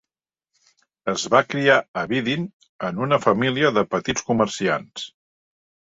Es va criar a Vidin en una família de petits comerciants.